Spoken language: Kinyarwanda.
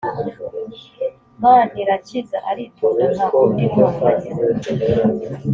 manirakiza aritonda ntakunda intonganya